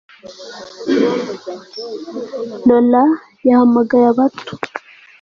Laura yahamagaye abato